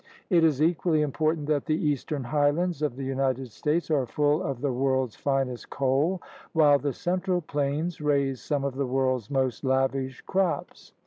It is equally important that the eastern highlands of the United States are full of the world's finest coal, while the central plains raise some of the world's most lavish crops.